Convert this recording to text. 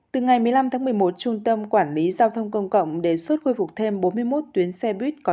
từ ngày một mươi năm tháng một mươi một trung tâm quản lý giao thông công cộng đề xuất khôi phục thêm bốn mươi một tuyến xe buýt